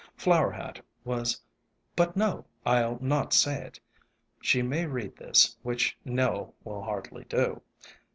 Flower Hat was — but no! I'll not say it. She may read this, which Nell will hardly do.